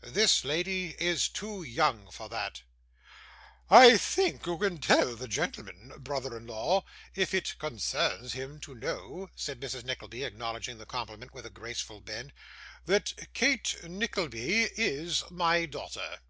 This lady is too young for that.' 'I think you can tell the gentleman, brother in law, if it concerns him to know,' said Mrs. Nickleby, acknowledging the compliment with a graceful bend, 'that Kate Nickleby is my daughter.